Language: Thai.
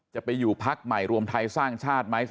จะไปอยู่ภักดิ์ไหมรวมไทยสร้างชาติ